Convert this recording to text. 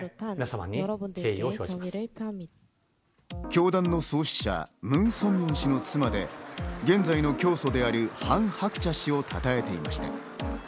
教団の創始者ムン・ソンミョン氏の妻で、現在の教祖であるハン・ハクチャ氏をたたえていました。